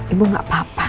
ibu gak apa apa